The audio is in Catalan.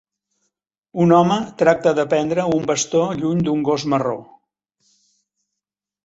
Un home tracta de prendre un bastó lluny d'un gos marró